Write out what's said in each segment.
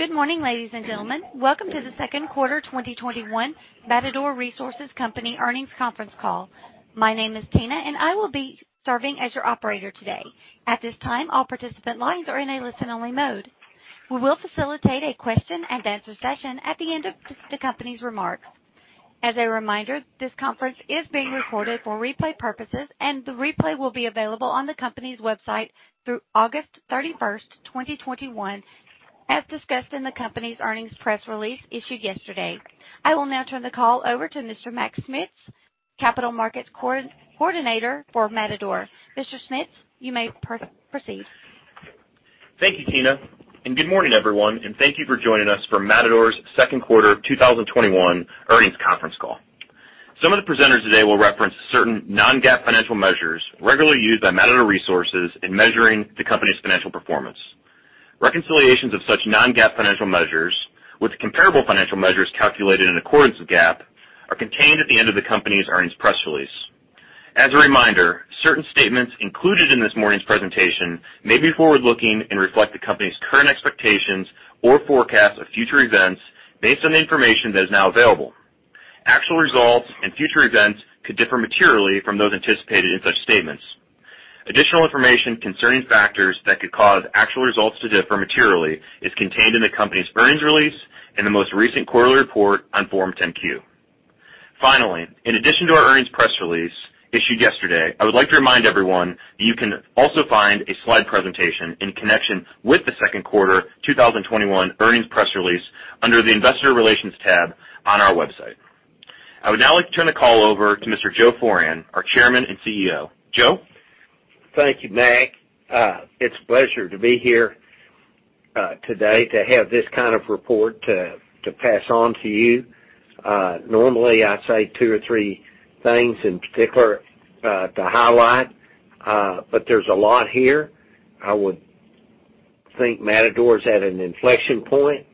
Good morning, ladies and gentlemen. Welcome to the second quarter 2021 Matador Resources Company earnings conference call. My name is Tina, and I will be serving as your operator today. At this time, all participant lines are in a listen-only mode. We will facilitate a question and answer session at the end of the company's remarks. As a reminder, this conference is being recorded for replay purposes, and the replay will be available on the company's website through August 31st, 2021, as discussed in the company's earnings press release issued yesterday. I will now turn the call over to Mr. Mac Schmitz, Capital Markets Coordinator for Matador. Mr. Schmitz, you may proceed. Thank you, Tina, and good morning, everyone, and thank you for joining us for Matador's second quarter 2021 earnings conference call. Some of the presenters today will reference certain non-GAAP financial measures regularly used by Matador Resources in measuring the company's financial performance. Reconciliations of such non-GAAP financial measures with comparable financial measures calculated in accordance with GAAP are contained at the end of the company's earnings press release. As a reminder, certain statements included in this morning's presentation may be forward-looking and reflect the company's current expectations or forecasts of future events based on the information that is now available. Actual results and future events could differ materially from those anticipated in such statements. Additional information concerning factors that could cause actual results to differ materially is contained in the company's earnings release and the most recent quarterly report on Form 10-Q. Finally, in addition to our earnings press release issued yesterday, I would like to remind everyone that you can also find a slide presentation in connection with the second quarter 2021 earnings press release under the investor relations tab on our website. I would now like to turn the call over to Mr. Joe Foran, our Chairman and CEO. Joe? Thank you, Mac. It's a pleasure to be here today to have this kind of report to pass on to you. Normally, I'd say two or three things in particular to highlight, but there's a lot here. I would think Matador's at an inflection point.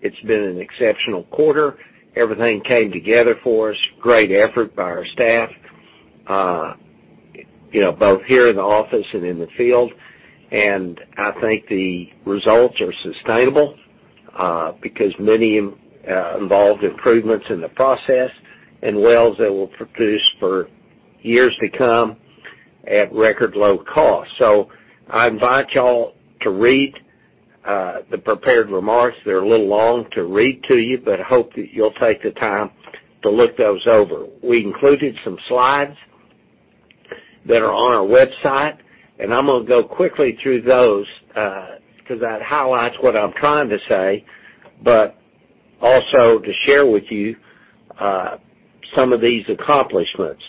It's been an exceptional quarter. Everything came together for us. Great effort by our staff, both here in the office and in the field. I think the results are sustainable, because many involved improvements in the process and wells that will produce for years to come at record low cost. I invite you all to read the prepared remarks. They're a little long to read to you, but I hope that you'll take the time to look those over. We included some slides that are on our website. I'm going to go quickly through those, because that highlights what I'm trying to say, but also to share with you some of these accomplishments.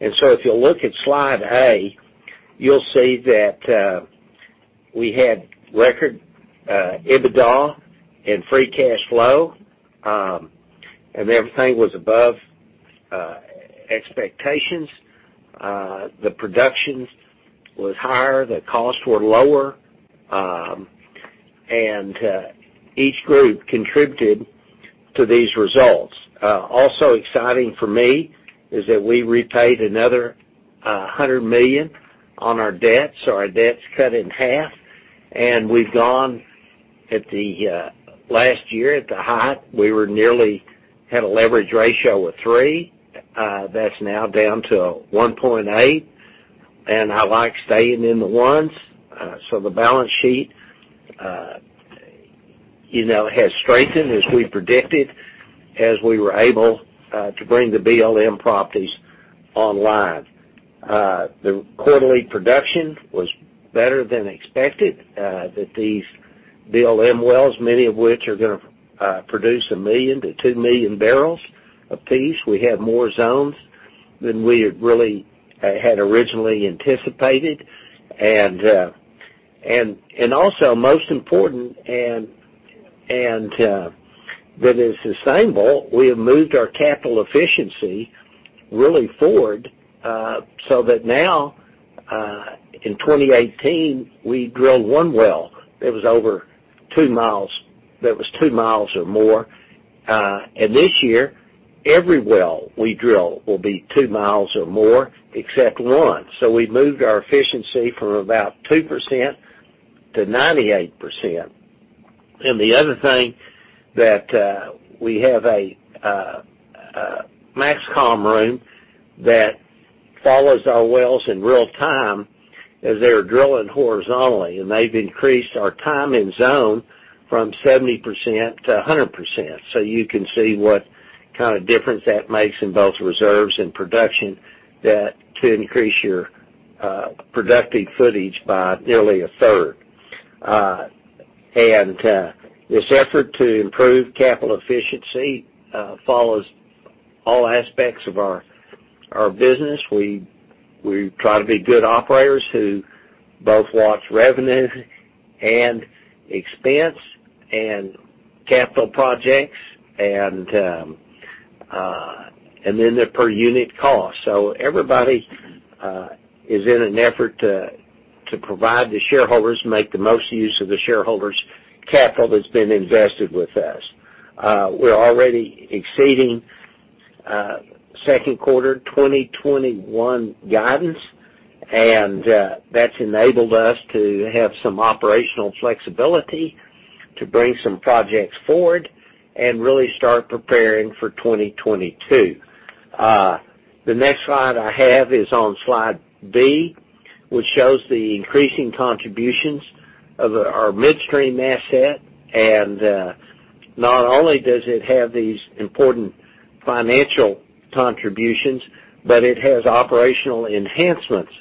If you'll look at slide A, you'll see that we had record EBITDA and free cash flow. Everything was above expectations. The production was higher, the costs were lower. Each group contributed to these results. Also exciting for me is that we repaid another $100 million on our debt. Our debt's cut in half. We've gone at the last year at the height, we were nearly had a leverage ratio of 3. That's now down to 1.8. I like staying in the ones. The balance sheet has strengthened as we predicted, as we were able to bring the BLM properties online. The quarterly production was better than expected, these BLM wells, many of which are going to produce 1 million to 2 million bbl a piece. We have more zones than we had originally anticipated. Also most important, that is sustainable, we have moved our capital efficiency really forward, so that now, in 2018, we drilled one well that was 2 mi or more. This year, every well we drill will be 2 mi or more except one. We've moved our efficiency from about 2% to 98%. The other thing that we have a MAXCOM room that follows our wells in real time as they're drilling horizontally, they've increased our time in zone from 70% to 100%. You can see what kind of difference that makes in both reserves and production to increase your productive footage by nearly a third. This effort to improve capital efficiency follows all aspects of our business. We try to be good operators who both watch revenue and expense and capital projects and then the per unit cost. Everybody is in an effort to provide the shareholders, make the most use of the shareholders' capital that's been invested with us. We're already exceeding Second quarter 2021 guidance, and that's enabled us to have some operational flexibility to bring some projects forward and really start preparing for 2022. The next slide I have is on slide B, which shows the increasing contributions of our midstream asset. Not only does it have these important financial contributions, but it has operational enhancements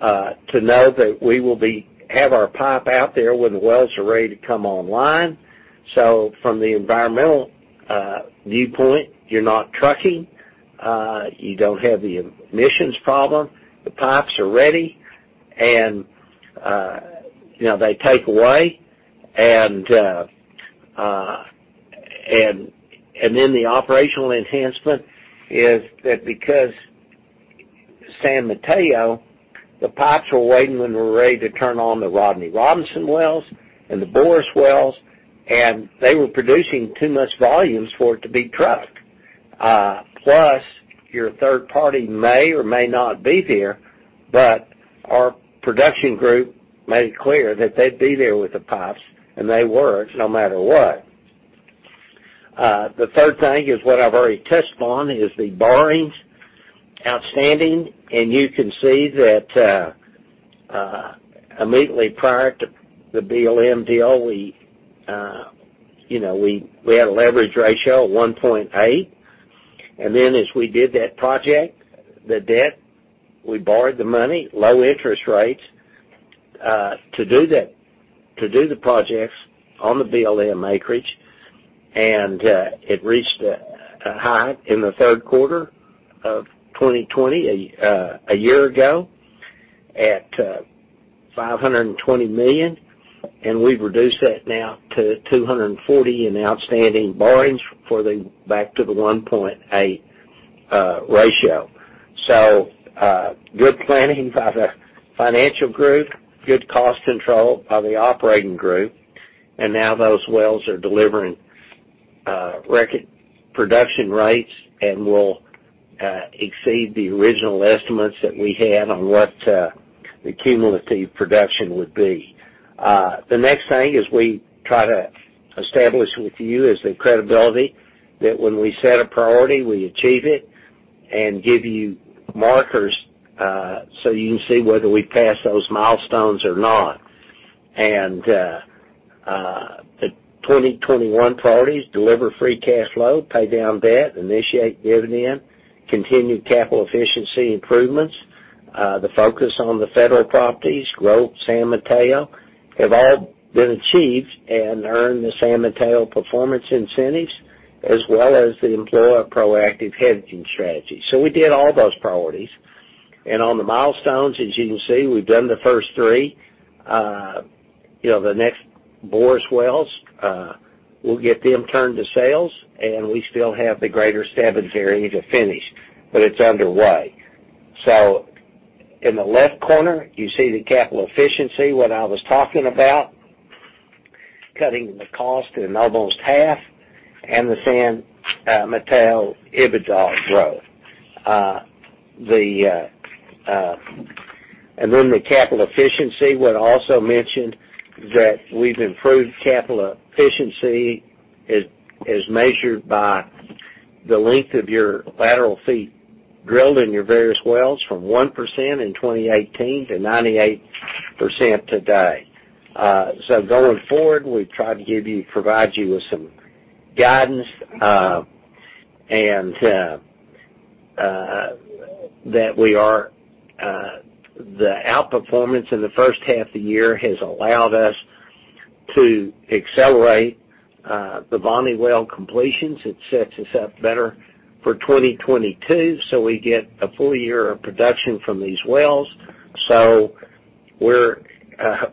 to know that we will have our pipe out there when the wells are ready to come online. From the environmental viewpoint, you're not trucking. You don't have the emissions problem. The pipes are ready, and they take away. Then the operational enhancement is that because San Mateo, the pipes were waiting when we were ready to turn on the Rodney Robinson wells and the Boros wells, and they were producing too much volumes for it to be trucked. Plus, your third party may or may not be there, but our production group made it clear that they'd be there with the pipes, and they were, no matter what. The third thing is what I've already touched on, is the borrowings outstanding, you can see that immediately prior to the BLM deal, we had a leverage ratio of 1.8. Then as we did that project, the debt, we borrowed the money, low interest rates, to do the projects on the BLM acreage. It reached a high in the third quarter of 2020, a year ago, at $520 million. We've reduced that now to $240 in outstanding borrowings for the back to the 1.8 ratio. Good planning by the financial group, good cost control by the operating group. Now those wells are delivering record production rates and will exceed the original estimates that we had on what the cumulative production would be. The next thing is we try to establish with you is the credibility that when we set a priority, we achieve it and give you markers, so you can see whether we pass those milestones or not. The 2021 priorities, deliver free cash flow, pay down debt, initiate dividend, continue capital efficiency improvements, the focus on the federal properties, grow San Mateo, have all been achieved and earned the San Mateo performance incentives, as well as the employ a proactive hedging strategy. We did all those priorities. On the milestones, as you can see, we've done the first three. The next Boros wells, we'll get them turned to sales, and we still have the Greater Stebbins area to finish, but it's underway. In the left corner, you see the capital efficiency, what I was talking about, cutting the cost in almost half, and the San Mateo EBITDA growth. The capital efficiency, what I also mentioned that we've improved capital efficiency as measured by the length of your lateral feet drilled in your various wells from 1% in 2018 to 98% today. Going forward, we've tried to provide you with some guidance, and that the outperformance in the first half of the year has allowed us to accelerate the Voni well completions. It sets us up better for 2022, so we get a full year of production from these wells. We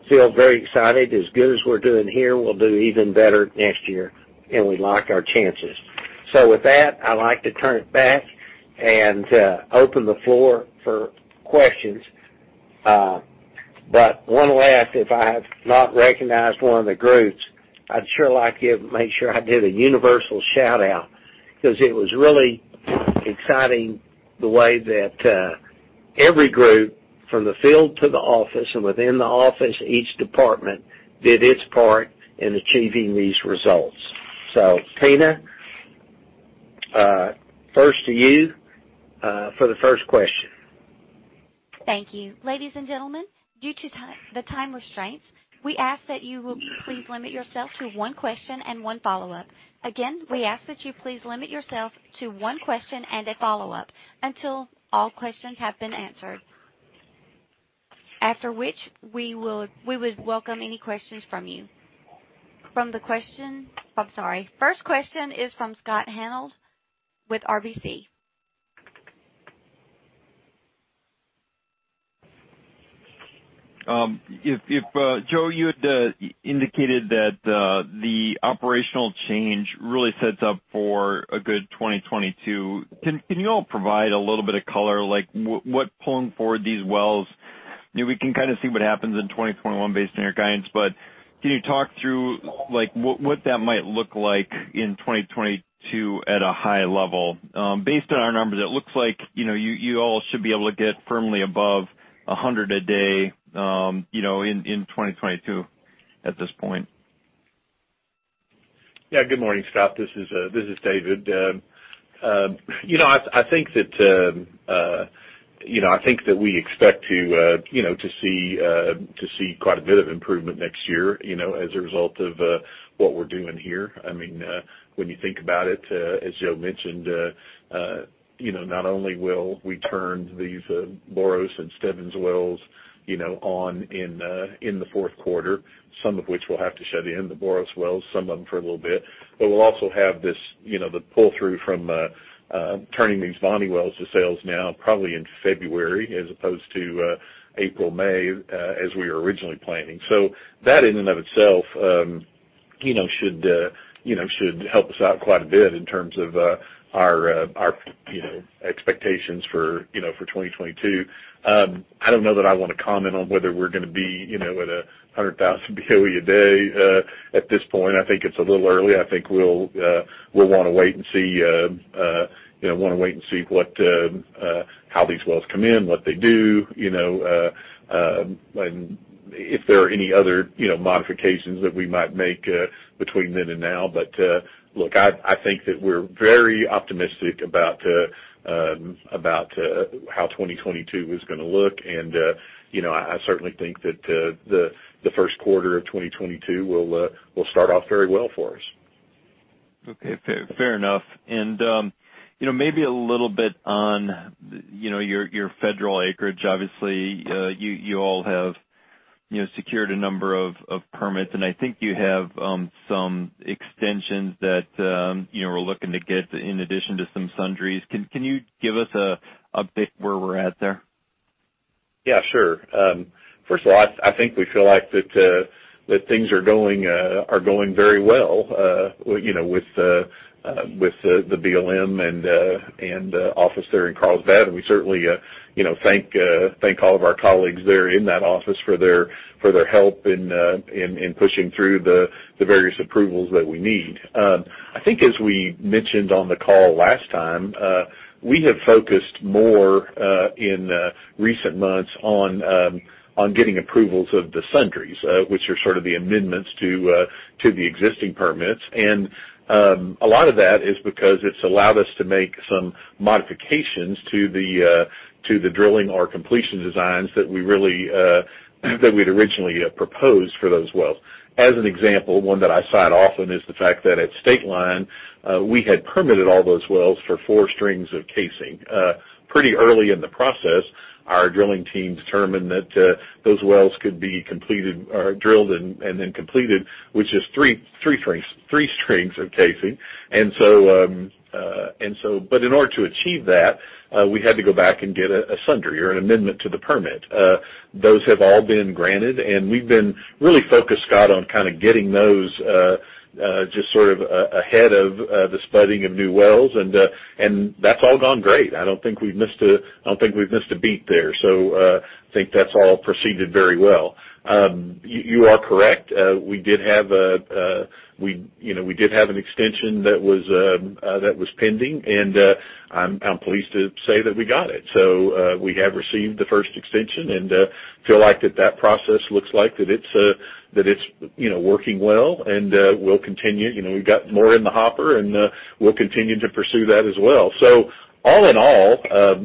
feel very excited. As good as we're doing here, we'll do even better next year, and we like our chances. With that, I'd like to turn it back and open the floor for questions. One last, if I have not recognized one of the groups, I'd sure like to make sure I did a universal shout-out because it was really exciting the way that every group, from the field to the office, and within the office, each department, did its part in achieving these results. Tina, first to you for the first question. Thank you. Ladies and gentlemen, due to the time restraints, we ask that you will please limit yourself to one question and one follow-up. Again, we ask that you please limit yourself to one question and a follow-up until all questions have been answered. After which, we would welcome any questions from you. I'm sorry. First question is from Scott Hanold with RBC. Joe, you had indicated that the operational change really sets up for a good 2022. Can you all provide a little bit of color, like what pulling forward these wells. We can kind of see what happens in 2021 based on your guidance, but can you talk through what that might look like in 2022 at a high level? Based on our numbers, it looks like you all should be able to get firmly above 100 a day in 2022 at this point. Good morning, Scott. This is David. I think that we expect to see quite a bit of improvement next year as a result of what we're doing here. When you think about it, as Joe mentioned, not only will we turn these Boros and Stebbins wells on in the fourth quarter, some of which we'll have to shut in, the Boros wells, some of them for a little bit. We'll also have the pull-through from turning these Voni wells to sales now probably in February, as opposed to April or May, as we were originally planning. That, in and of itself, should help us out quite a bit in terms of our expectations for 2022. I don't know that I want to comment on whether we're going to be at 100,000 BOE a day at this point. I think it's a little early. I think we'll want to wait and see how these wells come in, what they do, and if there are any other modifications that we might make between then and now. Look, I think that we're very optimistic about how 2022 is going to look, and I certainly think that the first quarter of 2022 will start off very well for us. Okay. Fair enough. Maybe a little bit on your federal acreage. Obviously, you all have secured a number of permits, and I think you have some extensions that you were looking to get in addition to some sundries. Can you give us an update where we're at there? Yeah, sure. First of all, I think we feel like that things are going very well with the BLM and the office there in Carlsbad, and we certainly thank all of our colleagues there in that office for their help in pushing through the various approvals that we need. I think as we mentioned on the call last time, we have focused more in recent months on getting approvals of the sundries, which are sort of the amendments to the existing permits. A lot of that is because it's allowed us to make some modifications to the drilling or completion designs that we'd originally proposed for those wells. As an example, one that I cite often is the fact that at Stateline, we had permitted all those wells for four strings of casing. Pretty early in the process, our drilling team determined that those wells could be drilled and then completed with just three strings of casing. In order to achieve that, we had to go back and get a sundry or an amendment to the permit. Those have all been granted, we've been really focused, Scott, on getting those just sort of ahead of the spudding of new wells, and that's all gone great. I don't think we've missed a beat there. I think that's all proceeded very well. You are correct. We did have an extension that was pending, I'm pleased to say that we got it. We have received the first extension and feel like that process looks like that it's working well, we'll continue. We've got more in the hopper, we'll continue to pursue that as well. All in all,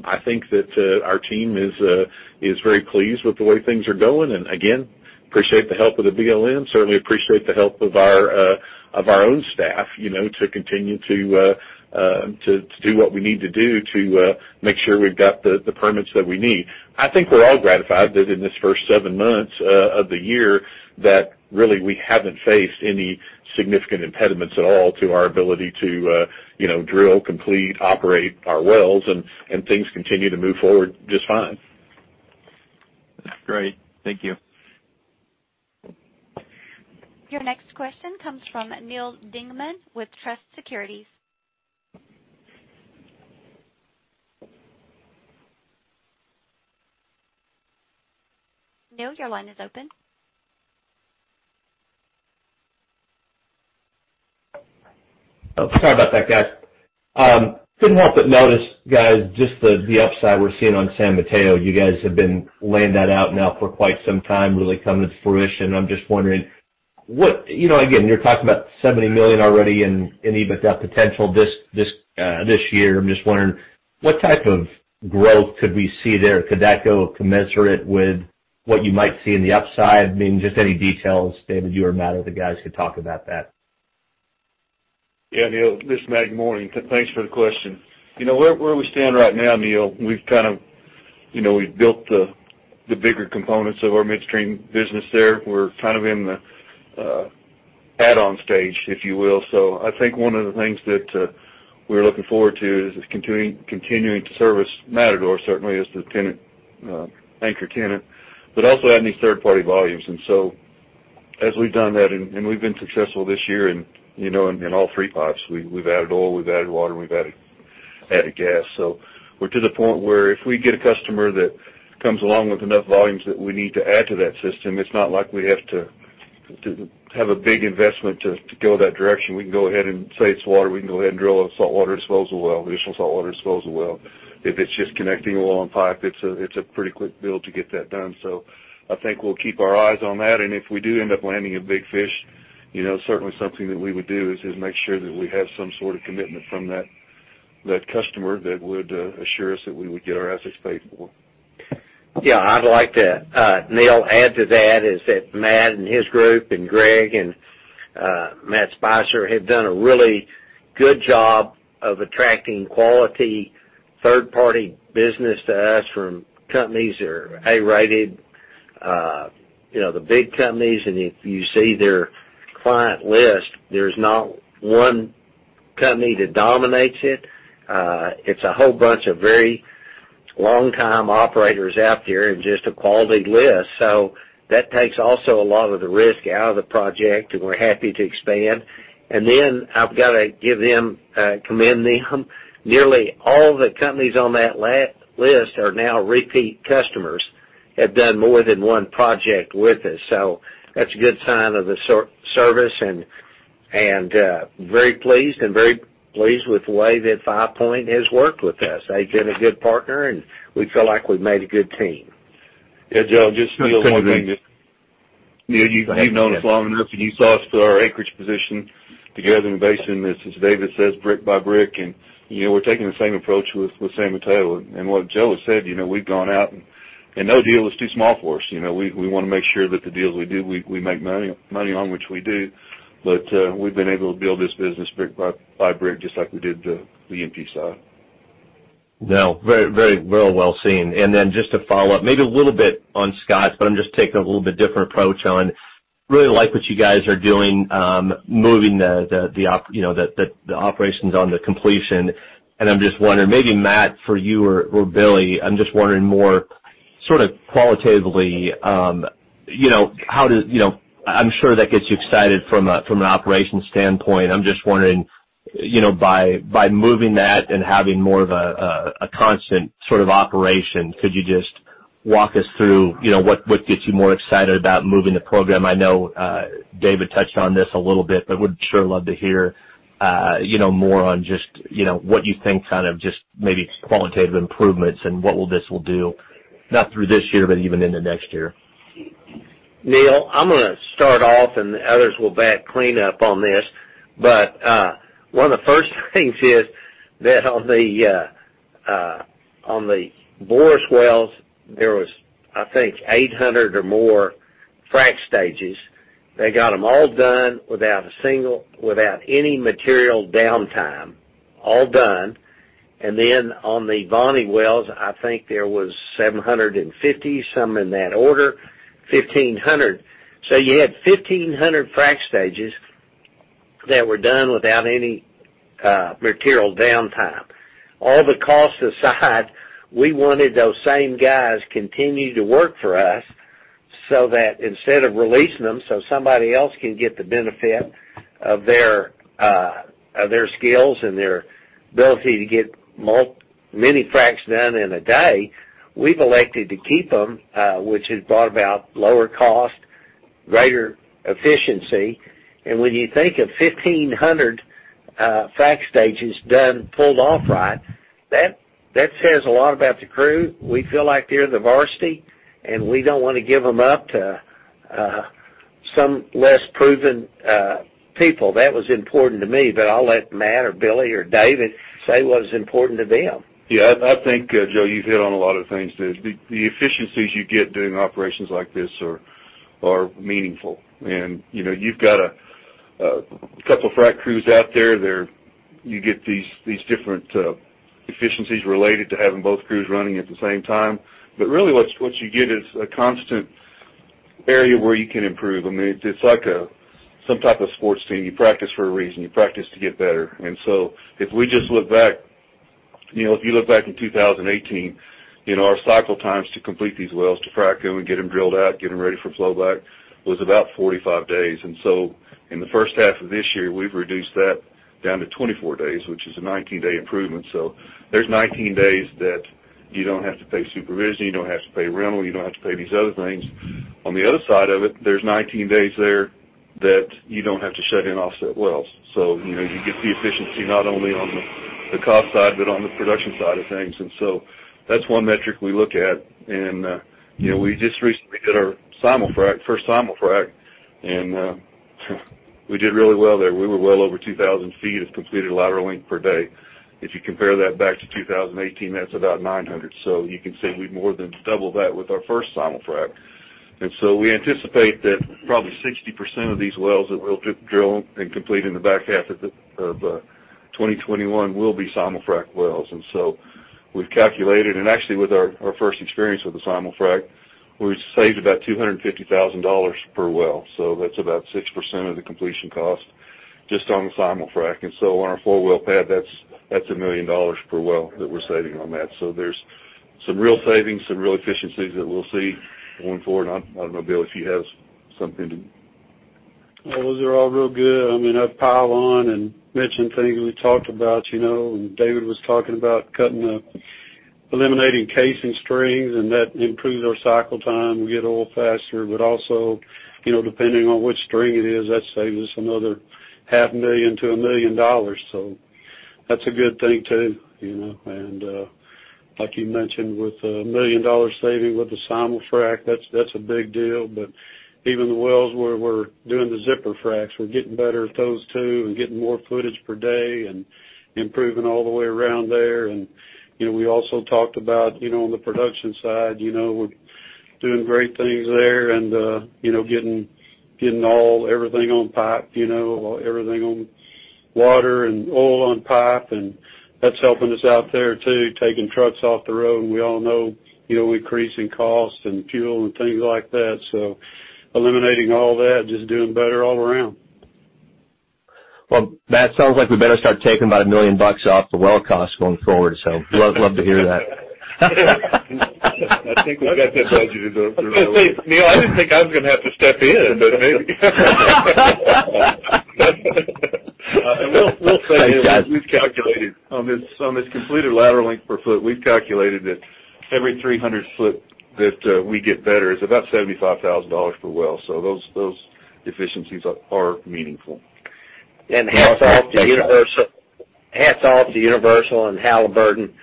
I think that our team is very pleased with the way things are going. Again, appreciate the help of the BLM. Certainly appreciate the help of our own staff to continue to do what we need to do to make sure we've got the permits that we need. I think we're all gratified that in these first seven months of the year, that really we haven't faced any significant impediments at all to our ability to drill, complete, operate our wells, and things continue to move forward just fine. Great. Thank you. Your next question comes from Neal Dingmann with Truist Securities. Neal, your line is open. Oh, sorry about that, guys. Couldn't help but notice, guys, just the upside we're seeing on San Mateo. You guys have been laying that out now for quite some time, really coming to fruition. I'm just wondering, again, you're talking about $70 million already in EBITDA potential this year. I'm just wondering what type of growth could we see there? Could that go commensurate with what you might see in the upside? I mean, just any details, David, you or Matt or the guys could talk about that. Yeah, Neal, this is Matt. Good morning. Thanks for the question. Where we stand right now, Neal, we've built the bigger components of our midstream business there. We're kind of in the add-on stage, if you will. I think one of the things that we're looking forward to is continuing to service Matador, certainly as the anchor tenant, but also adding these third-party volumes. We've done that, and we've been successful this year in all three pipes. We've added oil, we've added water, and we've added gas. We're to the point where if we get a customer that comes along with enough volumes that we need to add to that system, it's not like we have to have a big investment to go that direction. Say it's water, we can go ahead and drill a saltwater disposal well, an additional saltwater disposal well. If it's just connecting a long pipe, it's a pretty quick build to get that done. I think we'll keep our eyes on that, and if we do end up landing a big fish, certainly something that we would do is, make sure that we have some sort of commitment from that customer that would assure us that we would get our assets paid for. I'd like to, Neal, add to that, is that Matt and his group and Greg and Matt Spicer have done a really good job of attracting quality third-party business to us from companies that are A-rated, the big companies. If you see their client list, there's not one company that dominates it. It's a whole bunch of very long-time operators out there and just a quality list. That takes also a lot of the risk out of the project, and we're happy to expand. I've got to commend them. Nearly all the companies on that list are now repeat customers, have done more than one project with us. That's a good sign of the service, and very pleased with the way that Five Point has worked with us. They've been a good partner, and we feel like we've made a good team. Yeah, Joe, just the only thing. Go ahead. You've known us long enough, and you saw us build our acreage position together in the basin as David says, brick by brick, and we're taking the same approach with San Mateo. What Joe has said, we've gone out, and no deal is too small for us. We want to make sure that the deals we do, we make money on, which we do. We've been able to build this business brick by brick, just like we did the E&P side. No. Very well seen. Just to follow up, maybe a little bit on Scott's, I'm just taking a little bit different approach on. Really like what you guys are doing, moving the operations on the completion, I'm just wondering, maybe Matt, for you or Billy, I'm just wondering more sort of qualitatively, I'm sure that gets you excited from an operations standpoint. I'm just wondering, by moving that and having more of a constant sort of operation, could you just walk us through what gets you more excited about moving the program? I know David touched on this a little bit, would sure love to hear more on just what you think kind of just maybe qualitative improvements and what will this will do, not through this year, but even into next year. Neal, I'm gonna start off, the others will back clean up on this. One of the first things is that on the Boros wells, there was, I think, 800 or more frac stages. They got them all done without any material downtime. All done. On the, I think there was 750, something in that order, 1,500. You had 1,500 frac stages that were done without any material downtime. All the costs aside, we wanted those same guys continuing to work for us so that instead of releasing them so somebody else can get the benefit of their skills and their ability to get many fracs done in a day, we've elected to keep them, which has brought about lower cost, greater efficiency. When you think of 1,500 frac stages done, pulled off right, that says a lot about the crew. We feel like they're the varsity, we don't want to give them up to some less proven people. That was important to me. I'll let Matt or Billy or David say what's important to them. I think, Joe, you've hit on a lot of things. The efficiencies you get doing operations like this are meaningful. You've got a couple frac crews out there. You get these different efficiencies related to having both crews running at the same time. Really what you get is a constant area where you can improve. It's like some type of sports team. You practice for a reason. You practice to get better. If you look back in 2018, our cycle times to complete these wells, to frac them and get them drilled out, get them ready for flowback, was about 45 days. In the first half of this year, we've reduced that down to 24 days, which is a 19-day improvement. There's 19 days that you don't have to pay supervision, you don't have to pay rental, you don't have to pay these other things. On the other side of it, there's 19 days there that you don't have to shut in offset wells. You get the efficiency not only on the cost side but on the production side of things. That's one metric we look at. We just recently did our first simul-frac, and we did really well there. We were well over 2,000 ft of completed lateral length per day. If you compare that back to 2018, that's about 900. You can see we've more than doubled that with our first simul-frac. We anticipate that probably 60% of these wells that we'll drill and complete in the back half of 2021 will be simul-frac wells. We've calculated, and actually with our first experience with the simul-frac, we saved about $250,000 per well. So that's about 6% of the completion cost. Just on the simul-frac. On our 4-well pad, that's $1 million per well that we're saving on that. So there's some real savings, some real efficiencies that we'll see going forward. I don't know, Bill, if you have something to Well, those are all real good. I mean, I'd pile on and mention things we talked about. David was talking about eliminating casing strings, and that improves our cycle time. We get oil faster, also, depending on which string it is, that saves us another half million to a million dollars. That's a good thing, too. Like you mentioned, with a million-dollar saving with the simul-frac, that's a big deal. Even the wells where we're doing the zipper fracs, we're getting better at those, too, and getting more footage per day and improving all the way around there. We also talked about on the production side, we're doing great things there and getting everything on pipe, everything on water and oil on pipe, and that's helping us out there, too, taking trucks off the road, and we all know increasing costs and fuel and things like that. Eliminating all that, just doing better all around. Well, that sounds like we better start taking about $1 million bucks off the well cost going forward, so love to hear that. I think we've got that budgeted over. Neal, I didn't think I was going to have to step in, but maybe. We'll say we've calculated on this completed lateral length per foot, we've calculated that every 300 ft that we get better is about $75,000 per well. Those efficiencies are meaningful. Hats off to Universal and Halliburton,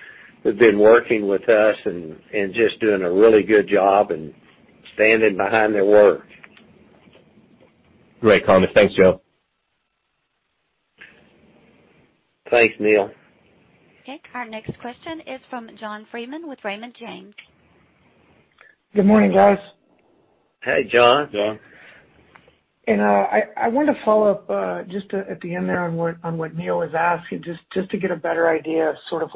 who've been working with us and just doing a really good job and standing behind their work. Great comments. Thanks, y'all. Thanks, Neal. Okay. Our next question is from John Freeman with Raymond James. Good morning, guys. Hey, John. John. I want to follow up just at the end there on what Neal was asking, just to get a better idea of sort of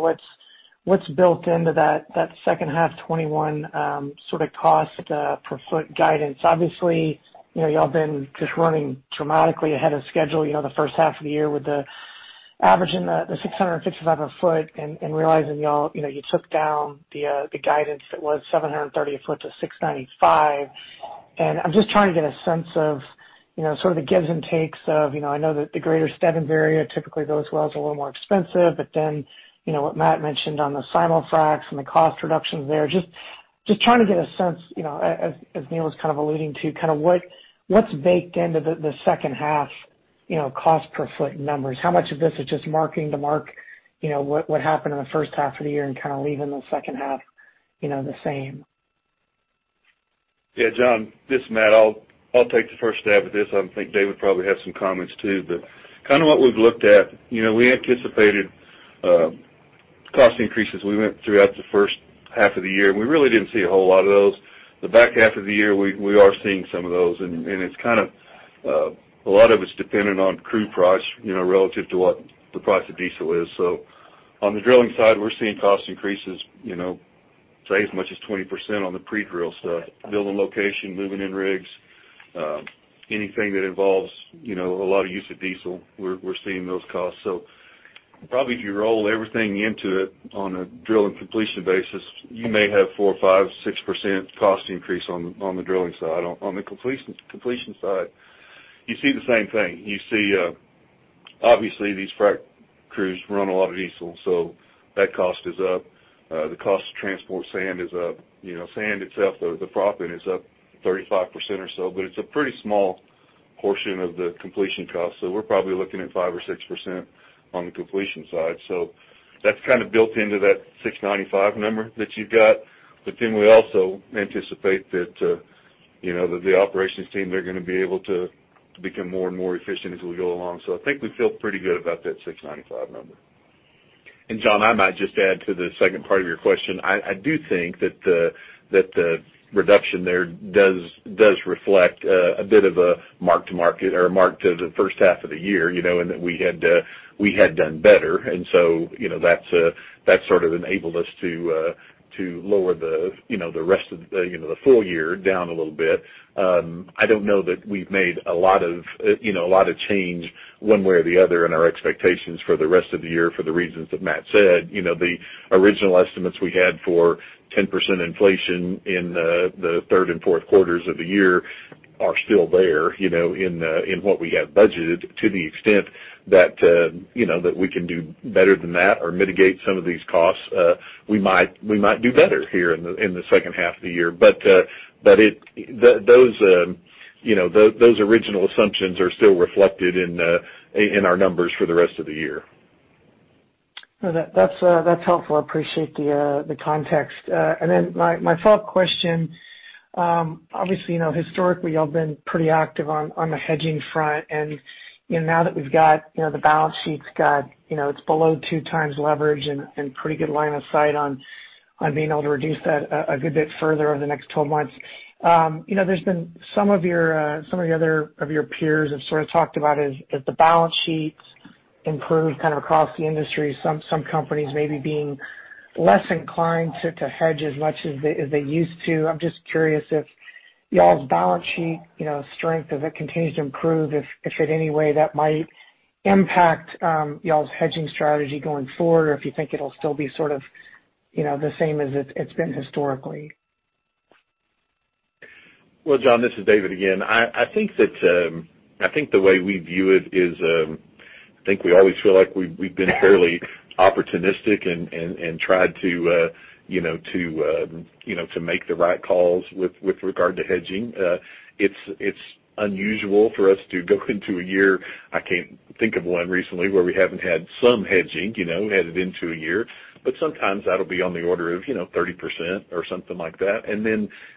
what's built into that second half 2021 sort of cost per foot guidance. Obviously, y'all been just running dramatically ahead of schedule the first half of the year with the average and the $665 a ft and realizing y'all, you took down the guidance that was $730 a ft to $695. I'm just trying to get a sense of sort of the gives and takes of, I know that the Greater Stebbins area typically, those wells are a little more expensive, but then, what Matt mentioned on the simul-fracs and the cost reductions there. Just trying to get a sense, as Neal was kind of alluding to, kind of what's baked into the second half cost per foot numbers. How much of this is just marking the mark what happened in the first half of the year and kind of leaving the second half the same? John, this is Matt. I'll take the first stab at this. I think David probably has some comments, too. Kind of what we've looked at, we anticipated cost increases. We went throughout the first half of the year, and we really didn't see a whole lot of those. The back half of the year, we are seeing some of those, and a lot of it's dependent on crude price relative to what the price of diesel is. On the drilling side, we're seeing cost increases, say, as much as 20% on the pre-drill stuff, building location, moving in rigs. Anything that involves a lot of use of diesel, we're seeing those costs. Probably if you roll everything into it on a drill and completion basis, you may have 4% or 5%, 6% cost increase on the drilling side. On the completion side, you see the same thing. You see, obviously, these frac crews run a lot of diesel, so that cost is up. The cost to transport sand is up. Sand itself, the proppant is up 35% or so, but it's a pretty small portion of the completion cost. We're probably looking at 5% or 6% on the completion side. That's kind of built into that $695 number that you've got. We also anticipate that the operations team, they're gonna be able to become more and more efficient as we go along. I think we feel pretty good about that $695 number. John, I might just add to the second part of your question. I do think that the reduction there does reflect a bit of a mark to market or mark to the first half of the year, and that we had done better, and so that sort of enabled us to lower the full year down a little bit. I don't know that we've made a lot of change one way or the other in our expectations for the rest of the year for the reasons that Matt said. The original estimates we had for 10% inflation in the third and fourth quarters of the year are still there, in what we have budgeted to the extent that we can do better than that or mitigate some of these costs. We might do better here in the second half of the year. Those original assumptions are still reflected in our numbers for the rest of the year. That's helpful. I appreciate the context. Then my follow-up question, obviously, historically, y'all have been pretty active on the hedging front, and now that we've got the balance sheet, it's below two times leverage and pretty good line of sight on being able to reduce that a good bit further over the next 12 months. There's been some of the other of your peers have sort of talked about as the balance sheet improved kind of across the industry, some companies maybe being less inclined to hedge as much as they used to. I'm just curious if you all's balance sheet strength, does it continue to improve? If in any way that might impact y'all's hedging strategy going forward, or if you think it'll still be sort of the same as it's been historically? Well, John, this is David again. I think the way we view it is, I think we always feel like we've been fairly opportunistic and tried to make the right calls with regard to hedging. It's unusual for us to go into a year, I can't think of one recently where we haven't had some hedging headed into a year. Sometimes that'll be on the order of 30% or something like that.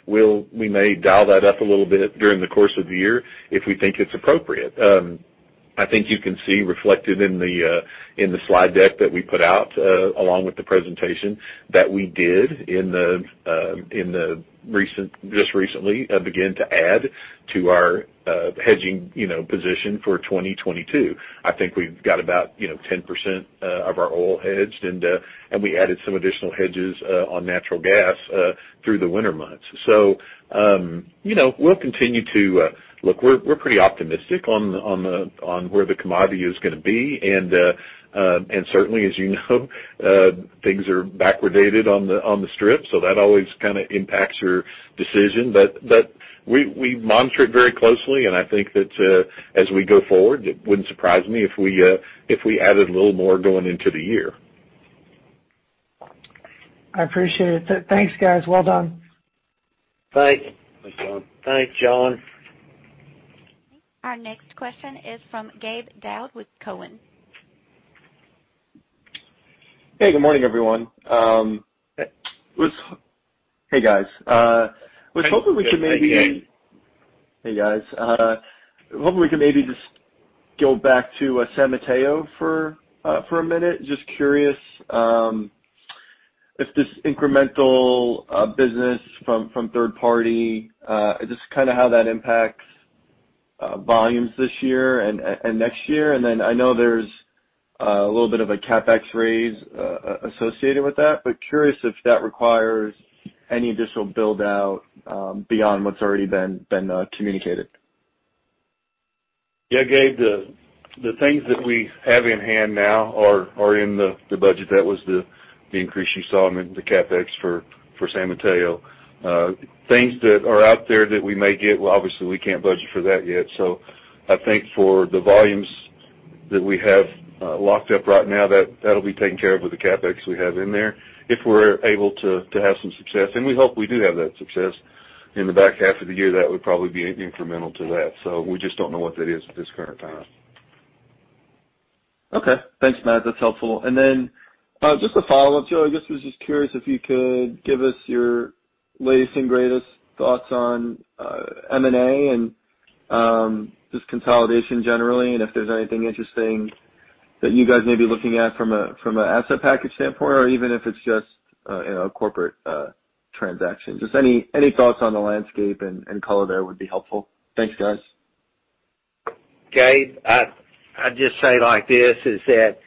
We may dial that up a little bit during the course of the year if we think it's appropriate. I think you can see reflected in the slide deck that we put out, along with the presentation that we did in the just recently, begin to add to our hedging position for 2022. I think we've got about 10% of our oil hedged, and we added some additional hedges on natural gas through the winter months. Look, we're pretty optimistic on where the commodity is going to be. Certainly, as you know, things are backwardated on the strip, so that always kind of impacts your decision. We monitor it very closely, and I think that as we go forward, it wouldn't surprise me if we added a little more going into the year. I appreciate it. Thanks, guys. Well done. Thanks. Thanks, John. Thanks, John. Our next question is from Gabe Daoud with Cowen. Hey, good morning, everyone. Hey. Hey, guys. Hey, Gabe. Hey, guys. I was hoping we could maybe just go back to San Mateo for one minute. Just curious if this incremental business from third party, just kind of how that impacts volumes this year and next year. I know there's a little bit of a CapEx raise associated with that, but curious if that requires any additional build out beyond what's already been communicated. Yeah, Gabe. The things that we have in hand now are in the budget. That was the increase you saw in the CapEx for San Mateo. Things that are out there that we may get, well, obviously we can't budget for that yet. I think for the volumes that we have locked up right now, that'll be taken care of with the CapEx we have in there. If we're able to have some success, and we hope we do have that success, in the back half of the year, that would probably be incremental to that. We just don't know what that is at this current time. Okay. Thanks, Matt. That's helpful. Just a follow-up, Joe, I guess was just curious if you could give us your latest and greatest thoughts on M&A and just consolidation generally, and if there's anything interesting that you guys may be looking at from an asset package standpoint or even if it's just a corporate transaction. Just any thoughts on the landscape and color there would be helpful. Thanks, guys. Gabe, I'd just say like this, is that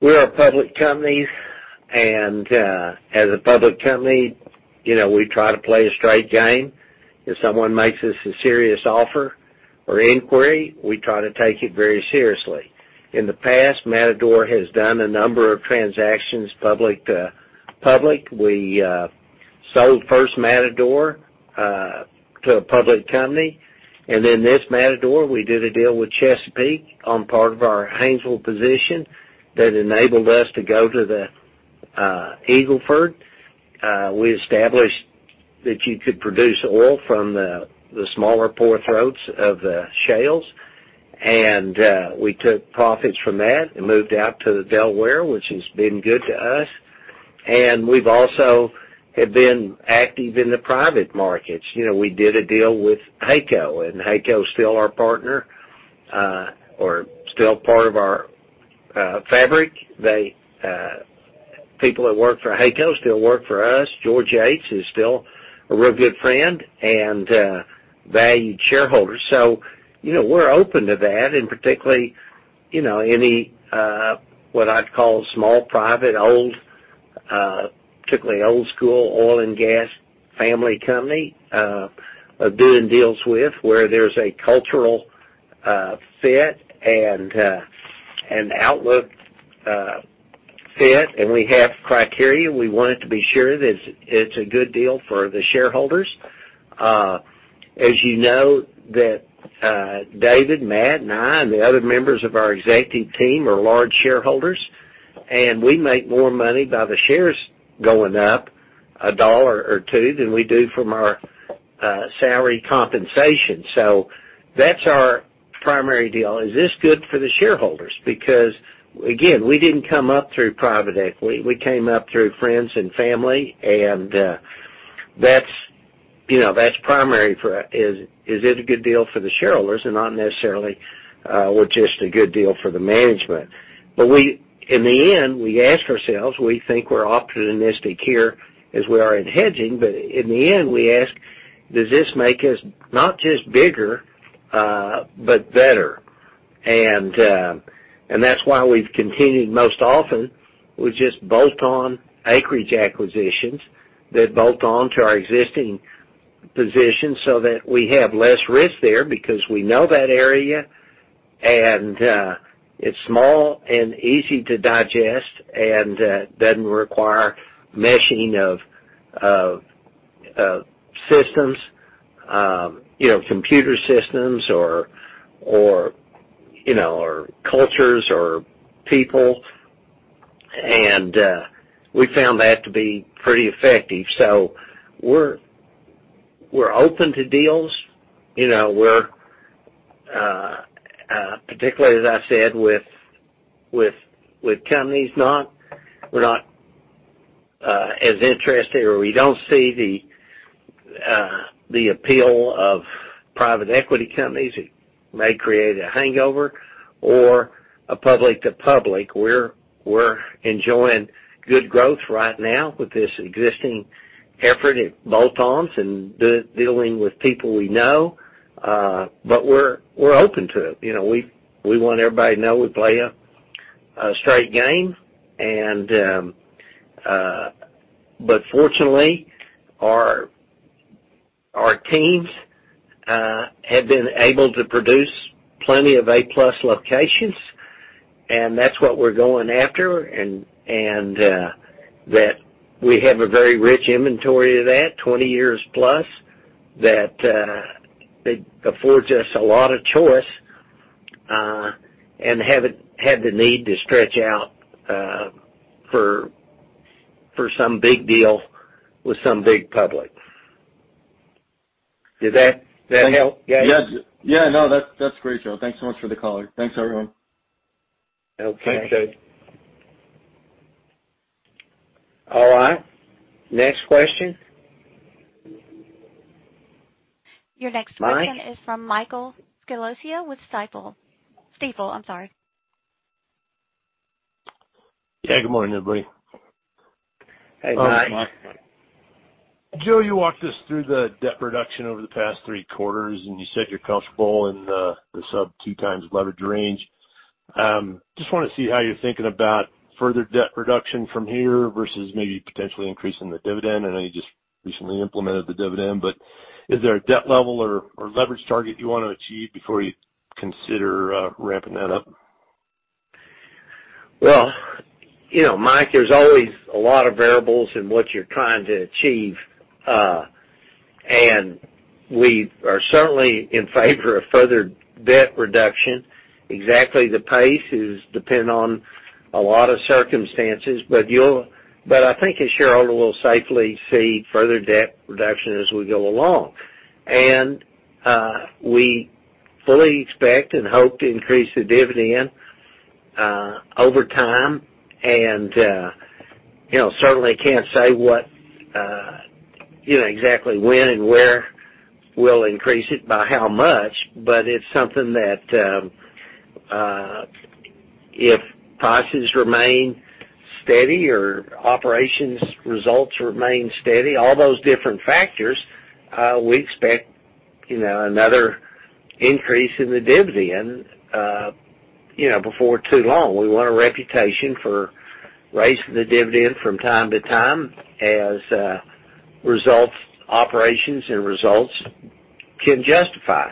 we're a public company, and as a public company, we try to play a straight game. If someone makes us a serious offer or inquiry, we try to take it very seriously. In the past, Matador has done a number of transactions public to public. We sold first Matador to a public company, and then this Matador, we did a deal with Chesapeake on part of our Haynesville position that enabled us to go to the Eagle Ford. We established that you could produce oil from the smaller pore throats of the shales. We took profits from that and moved out to the Delaware, which has been good to us. We've also have been active in the private markets. We did a deal with HEYCO, and HEYCO's still our partner, or still part of our fabric. People that work for HEYCO still work for us. George Yates is still a real good friend and a valued shareholder. We're open to that, and particularly, any, what I'd call small, private old, particularly old school oil and gas family company, doing deals with where there's a cultural fit and outlook fit, and we have criteria. We want it to be sure that it's a good deal for the shareholders. As you know that David, Matt, and I, and the other members of our executive team are large shareholders, and we make more money by the shares going up a dollar or two than we do from our salary compensation. That's our primary deal. Is this good for the shareholders? Again, we didn't come up through private equity. We came up through friends and family, and that's primary for us. Is it a good deal for the shareholders and not necessarily just a good deal for the management? In the end, we ask ourselves, we think we're opportunistic here as we are in hedging. In the end, we ask, does this make us not just bigger, but better? That's why we've continued most often with just bolt-on acreage acquisitions that bolt on to our existing position so that we have less risk there because we know that area, and it's small and easy to digest, and doesn't require meshing of systems, computer systems or cultures, or people. We found that to be pretty effective. We're open to deals. Particularly, as I said, with companies we're not as interested or we don't see the appeal of private equity companies. It may create a hangover or a public to public. We're enjoying good growth right now with this existing effort at bolt-ons and dealing with people we know. We're open to it. We want everybody to know we play a straight game. Fortunately, our teams have been able to produce plenty of A-plus locations, and that's what we're going after. That we have a very rich inventory of that, 20+ years, that affords us a lot of choice, and haven't had the need to stretch out for some big deal with some big public. Did that help, Gabe? Yes. No, that's great, Joe. Thanks so much for the color. Thanks, everyone. Okay. Thanks, Joe. All right. Next question. Your next question. Mike is from Michael Scialla with Stifel. Stifel, I'm sorry. Yeah. Good morning, everybody. Hey, Mike. Joe, you walked us through the debt reduction over the past three quarters, and you said you're comfortable in the sub-2x leverage range. I just want to see how you're thinking about further debt reduction from here versus maybe potentially increasing the dividend. I know you just recently implemented the dividend, but is there a debt level or leverage target you want to achieve before you consider ramping that up? Well, Mike, there's always a lot of variables in what you're trying to achieve. We are certainly in favor of further debt reduction. Exactly the pace is dependent on a lot of circumstances, but I think as shareholder will safely see further debt reduction as we go along. We fully expect and hope to increase the dividend over time. Certainly can't say exactly when and where we'll increase it by how much, but it's something that, if prices remain steady or operations results remain steady, all those different factors, we expect another increase in the dividend before too long. We want a reputation for raising the dividend from time to time as operations and results can justify.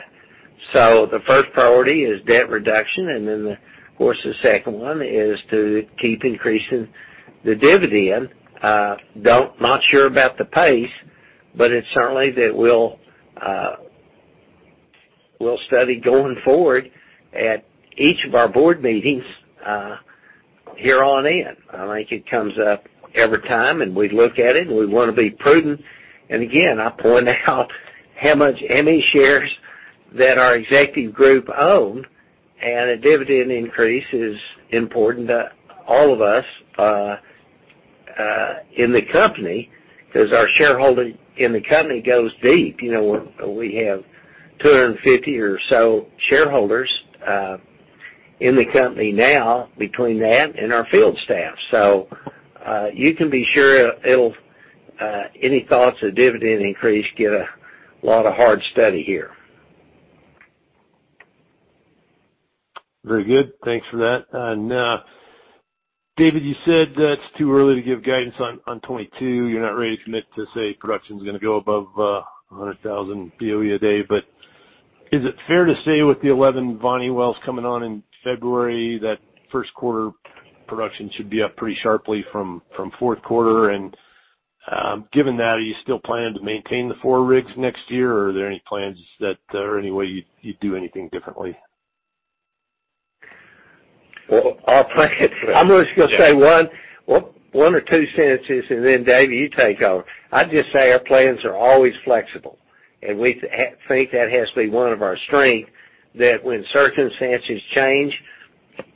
The first priority is debt reduction, and then, of course, the second one is to keep increasing the dividend. Not sure about the pace, but it's certainly that we'll study going forward at each of our board meetings here on in. I think it comes up every time, and we look at it, and we want to be prudent. Again, I point out how much ME shares that our executive group own, and a dividend increase is important to all of us in the company because our shareholder in the company goes deep. We have 250 or so shareholders in the company now between that and our field staff. You can be sure any thoughts of dividend increase get a lot of hard study here. Very good. Thanks for that. David, you said that it's too early to give guidance on 2022. You're not ready to commit to say production's going to go above 100,000 BOE a day. Is it fair to say with the 11 Voni wells coming on in February, that first quarter production should be up pretty sharply from fourth quarter? Given that, are you still planning to maintain the four rigs next year, or are there any plans that, or any way you'd do anything differently? Well, I'm just going to say one or two sentences, and then David, you take over. I'd just say our plans are always flexible. We think that has to be one of our strengths, that when circumstances change,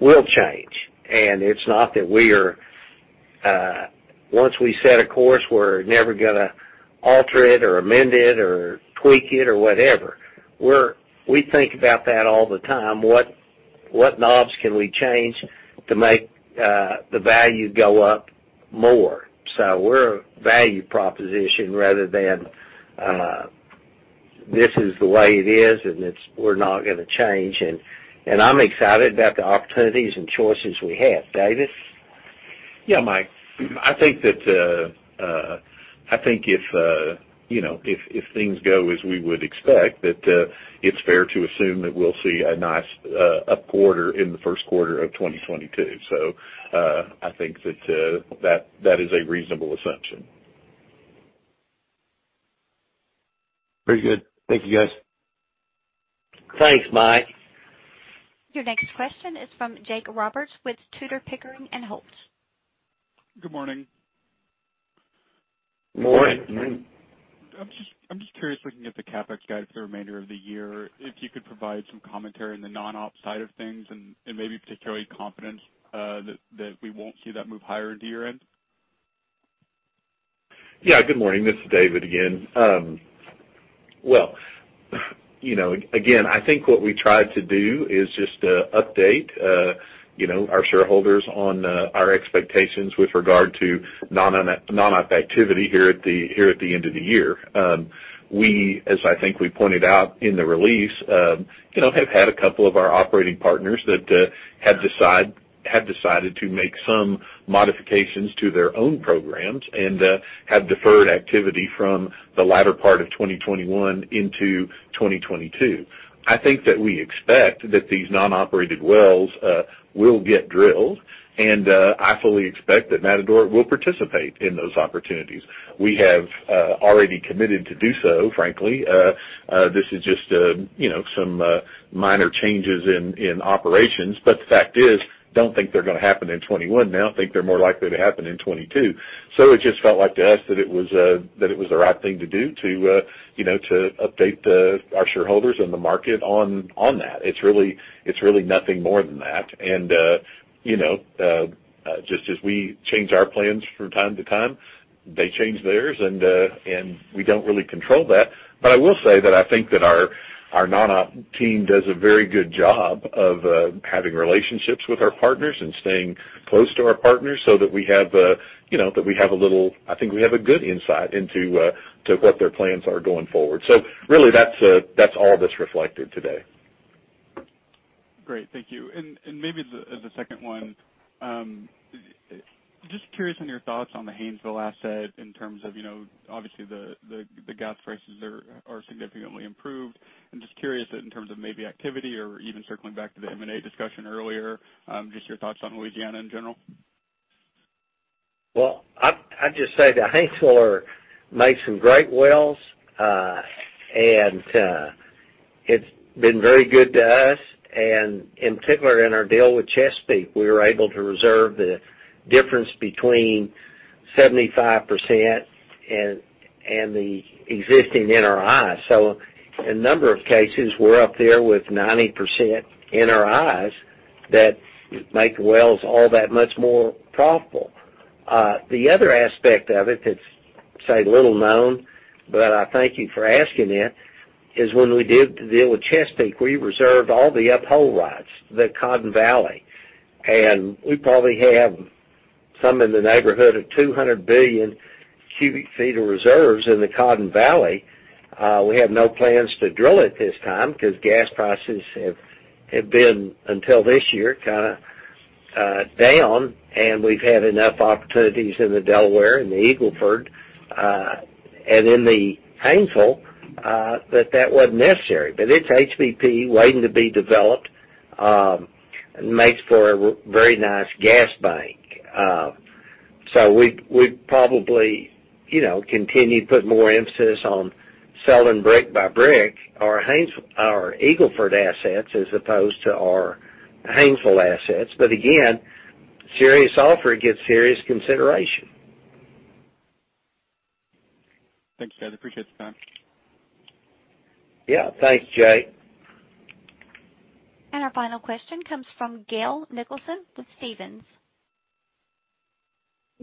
we'll change. It's not that once we set a course, we're never going to alter it or amend it or tweak it or whatever. We think about that all the time. What knobs can we change to make the value go up more. We're a value proposition rather than, this is the way it is, and we're not going to change. I'm excited about the opportunities and choices we have. David? Yeah, Mike. I think if things go as we would expect, that it's fair to assume that we'll see a nice up quarter in the first quarter of 2022. I think that is a reasonable assumption. Very good. Thank you, guys. Thanks, Mike. Your next question is from Jake Roberts with Tudor, Pickering, Holt & Co. Good morning. Morning. Morning. I'm just curious, looking at the CapEx guide for the remainder of the year, if you could provide some commentary on the non-op side of things and maybe particularly confidence that we won't see that move higher into year-end? Yeah. Good morning. This is David again. Well, again, I think what we tried to do is just update our shareholders on our expectations with regard to non-op activity here at the end of the year. We, as I think we pointed out in the release, have had a couple of our operating partners that have decided to make some modifications to their own programs and have deferred activity from the latter part of 2021 into 2022. I think that we expect that these non-operated wells will get drilled, and I fully expect that Matador will participate in those opportunities. We have already committed to do so, frankly. This is just some minor changes in operations. The fact is, don't think they're going to happen in 2021. Think they're more likely to happen in 2022. It just felt like to us that it was the right thing to do to update our shareholders and the market on that. It's really nothing more than that. Just as we change our plans from time to time, they change theirs, and we don't really control that. I will say that I think that our non-op team does a very good job of having relationships with our partners and staying close to our partners so that we have a good insight into what their plans are going forward. Really that's all that's reflected today. Great. Thank you. Maybe as a second one, just curious on your thoughts on the Haynesville asset in terms of, obviously the gas prices there are significantly improved. I'm just curious in terms of maybe activity or even circling back to the M&A discussion earlier, just your thoughts on Louisiana in general. Well, I'd just say that Haynesville make some great wells, and it's been very good to us. In particular, in our deal with Chesapeake, we were able to reserve the difference between 75% and the existing NRIs. In a number of cases, we're up there with 90% NRIs that make wells all that much more profitable. The other aspect of it that's, say, little known, but I thank you for asking it, is when we did the deal with Chesapeake, we reserved all the up-hole rights, the Cotton Valley, and we probably have some in the neighborhood of 200 billion cubic feet of reserves in the Cotton Valley. We have no plans to drill at this time because gas prices have been, until this year, down, and we've had enough opportunities in the Delaware and the Eagle Ford, and in the Haynesville, that that wasn't necessary. It's HBP waiting to be developed, makes for a very nice gas bank. We'd probably continue to put more emphasis on selling brick by brick our Eagle Ford assets as opposed to our Haynesville assets. Again, serious offer gets serious consideration. Thanks, guys. Appreciate the time. Yeah. Thanks, Jake. Our final question comes from Gail Nicholson with Stephens.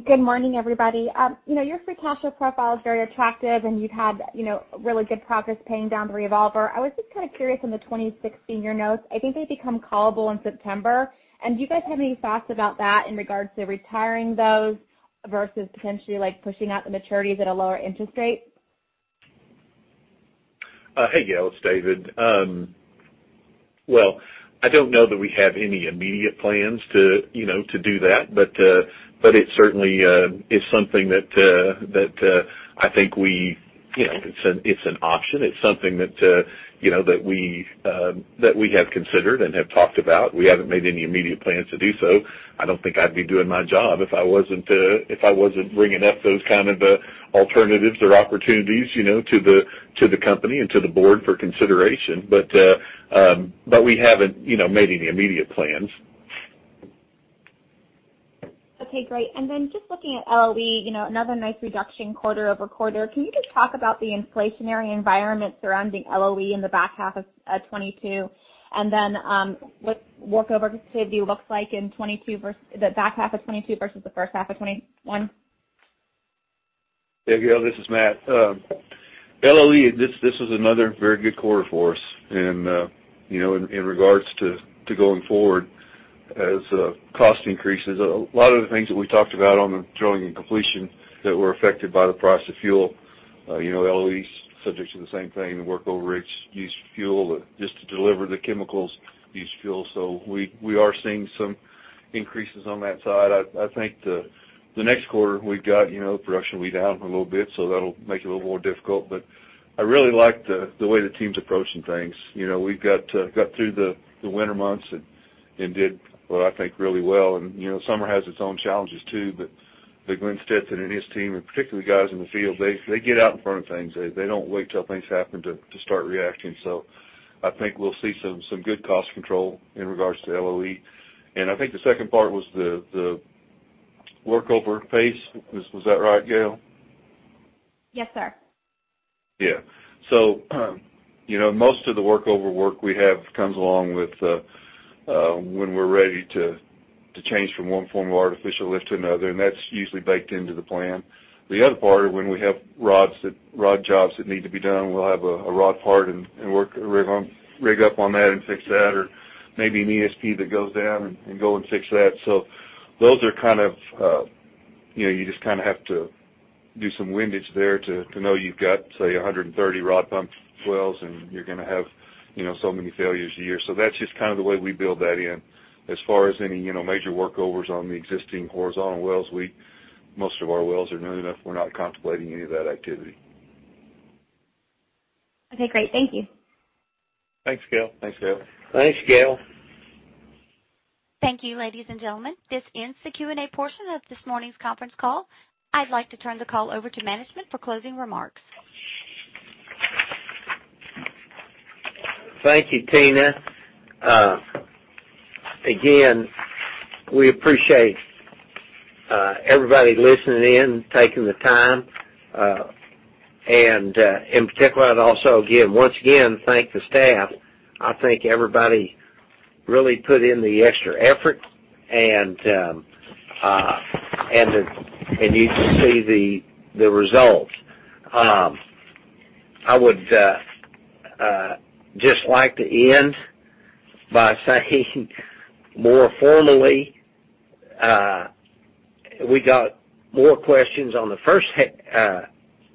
Good morning, everybody. Your free cash flow profile is very attractive, and you've had really good progress paying down the revolver. I was just curious on the 2026 Notes, I think they become callable in September. Do you guys have any thoughts about that in regards to retiring those versus potentially pushing out the maturities at a lower interest rate? Hey, Gail, it's David. Well, I don't know that we have any immediate plans to do that, but it certainly is something that I think it's an option. It's something that we have considered and have talked about. We haven't made any immediate plans to do so. I don't think I'd be doing my job if I wasn't bringing up those kind of alternatives or opportunities to the company and to the board for consideration. We haven't made any immediate plans. Okay, great. Just looking at LOE, another nice reduction quarter-over-quarter, can you just talk about the inflationary environment surrounding LOE in the back half of 2022? What workover activity looks like in the back half of 2022 versus the first half of 2021? Yeah, Gail, this is Matt. LOE, this was another very good quarter for us. In regards to going forward as cost increases, a lot of the things that we talked about on the drilling and completion that were affected by the price of fuel, LOE's subject to the same thing. The workover rigs use fuel. Just to deliver the chemicals use fuel. We are seeing some increases on that side. I think the next quarter we've got, production will be down a little bit, so that'll make it a little more difficult. I really like the way the team's approaching things. We got through the winter months and did, what I think, really well, and summer has its own challenges too, but Glenn Stetson and his team, and particularly the guys in the field, they get out in front of things. They don't wait till things happen to start reacting. I think we'll see some good cost control in regards to LOE. I think the second part was the workover pace. Was that right, Gail? Yes, sir. Yeah. Most of the workover work we have comes along with when we're ready to change from one form of artificial lift to another, and that's usually baked into the plan. The other part is when we have rod jobs that need to be done, we'll have a rod part and rig up on that and fix that, or maybe an ESP that goes down and go and fix that. You just have to do some windage there to know you've got, say, 130 rod pump wells, and you're going to have so many failures a year. That's just the way we build that in. As far as any major workovers on the existing horizontal wells, most of our wells are known enough. We're not contemplating any of that activity. Okay, great. Thank you. Thanks, Gail. Thanks, Gail. Thank you, ladies and gentlemen. This ends the Q&A portion of this morning's conference call. I'd like to turn the call over to management for closing remarks. Thank you, Tina. Again, we appreciate everybody listening in, taking the time, and in particular, I'd also give, once again, thank the staff. I think everybody really put in the extra effort, and you can see the results. I would just like to end by saying more formally, we got more questions on the first half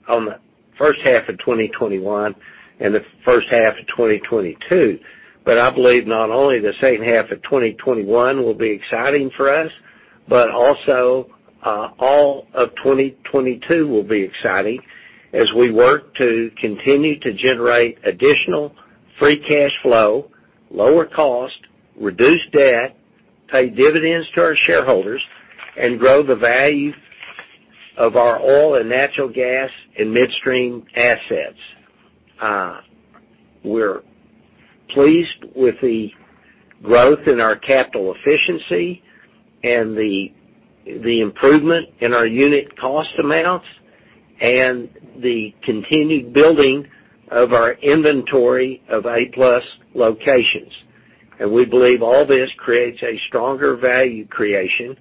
of 2021 and the first half of 2022. I believe not only the second half of 2021 will be exciting for us, but also all of 2022 will be exciting as we work to continue to generate additional free cash flow, lower cost, reduce debt, pay dividends to our shareholders, and grow the value of our oil and natural gas and midstream assets. We're pleased with the growth in our capital efficiency and the improvement in our unit cost amounts and the continued building of our inventory of A+ locations. We believe all this creates a stronger value creation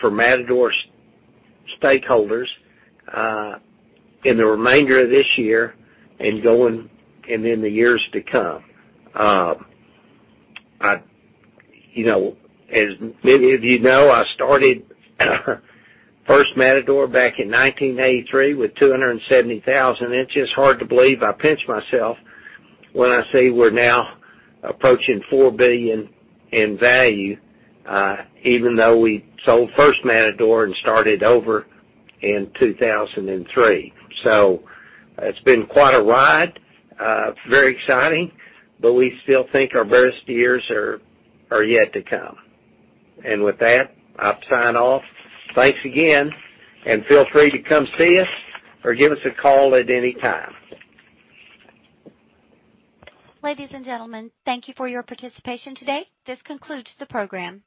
for Matador stakeholders in the remainder of this year and then the years to come. As many of you know, I started first Matador back in 1983 with $270,000. It's just hard to believe. I pinch myself when I see we're now approaching $4 billion in value, even though we sold first Matador and started over in 2003. It's been quite a ride, very exciting. We still think our best years are yet to come. With that, I'll sign off. Thanks again, and feel free to come see us or give us a call at any time. Ladies and gentlemen, thank you for your participation today. This concludes the program.